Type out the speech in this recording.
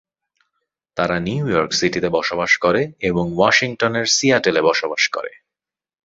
তারা New York সিটিতে বসবাস করে এবং ওয়াশিংটনের সিয়াটেলে বসবাস করে।